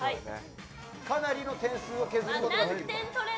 かなりの点数を削ることができる。